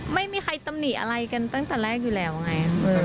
ไม่มีใครตำหนิอะไรกันตั้งแต่แรกอยู่แล้วไง